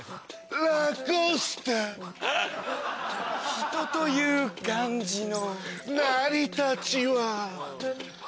「人」という漢字の。成り立ちは。